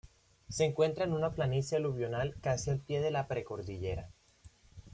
Se encuentra en una planicie aluvional casi al pie de la precordillera.